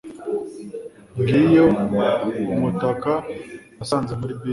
Ngiyo umutaka nasanze muri bisi